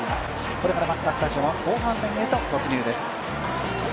これからマツダスタジアム後半戦へと突入です。